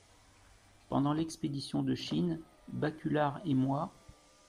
Pendant l’expédition de Chine, Baculard et moi…